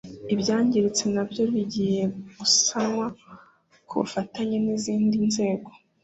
ibyangiritse nabyo bigiye gusanwa ku bufatanye n’izindi nzego